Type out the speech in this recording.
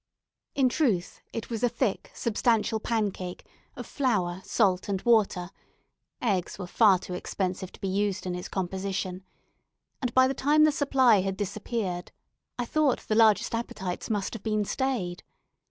In truth, it was a thick substantial pancake of flour, salt, and water eggs were far too expensive to be used in its composition; and by the time the supply had disappeared, I thought the largest appetites must have been stayed.